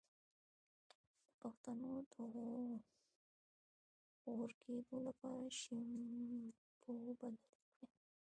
د ویښتو د غوړ کیدو لپاره شیمپو بدل کړئ